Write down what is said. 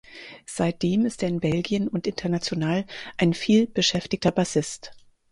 Seitdem ist er in Belgien und international ein viel beschäftigter Bassist.